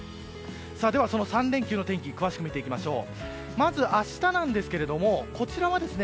では、その３連休の天気を詳しく見ていきましょう。